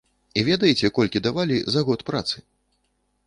І ведаеце, колькі давалі за год працы?